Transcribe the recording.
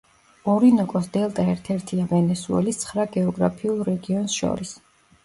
ორინოკოს დელტა ერთ-ერთია ვენესუელის ცხრა გეოგრაფიულ რეგიონს შორის.